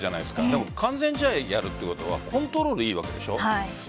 でも、完全試合やるということはコントロールがいいわけでしょ。